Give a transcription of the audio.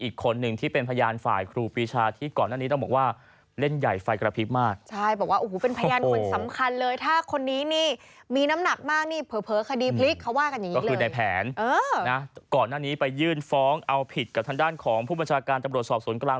ก่อนหน้านี้ไปยื่นฟ้องเอาผิดกับทางด้านของผู้บัญชาการตำรวจสอบศูนย์กลาง